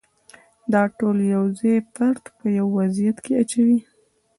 دا ټول یو ځای فرد په یو وضعیت کې اچوي.